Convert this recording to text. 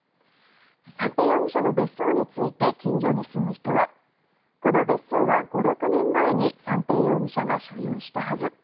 三瓶容疑者の別荘について近所に住む人はこの別荘は５６年前に三瓶容疑者が所有したはず。